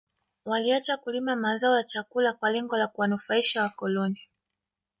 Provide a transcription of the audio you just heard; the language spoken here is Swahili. Waliacha kulima mazao ya chakula kwa lengo la kuwanufaisha wakoloni